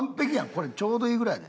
これちょうどいいぐらいやで。